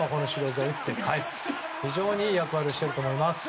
非常にいい役割をしていると思います。